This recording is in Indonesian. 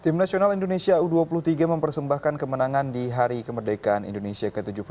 tim nasional indonesia u dua puluh tiga mempersembahkan kemenangan di hari kemerdekaan indonesia ke tujuh puluh dua